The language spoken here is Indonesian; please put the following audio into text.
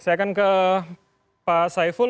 saya akan ke pak saiful